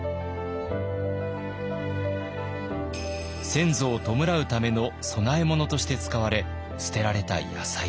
先祖を弔うための供え物として使われ捨てられた野菜です。